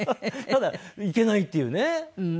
ただ行けないっていうね。